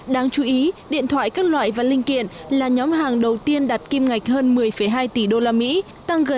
đáng chú ý điện thoại các loại và linh kiện là nhóm hàng đầu tiên đạt kim ngạch hơn một mươi hai tỷ usd tăng gần tám năm so với cùng kỳ năm ngoái